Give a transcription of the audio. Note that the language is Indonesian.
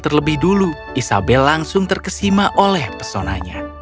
terlebih dulu isabel langsung terkesima oleh pesonanya